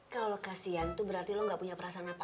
kalo lo kasian tuh berarti lo gak punya perasaan apa apa